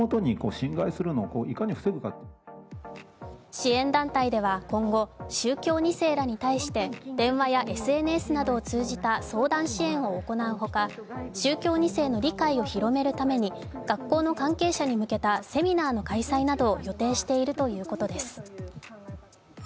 支援団体では今後、宗教２世らに対して電話やＳＮＳなどを通じた相談支援を行う他宗教２世の理解を広めるために学校の関係者に向けたセミナーの開催などを予定しているということです。